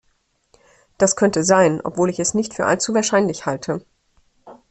Das könnte sein, obwohl ich es nicht für allzu wahrscheinlich halte.